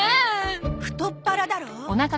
太っ腹だろ。